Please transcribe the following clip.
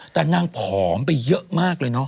แต่นางผอมไปเยอะมากเลยเนาะ